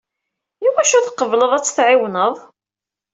Iwacu tqebleḍ ad tt-teɛiwneḍ?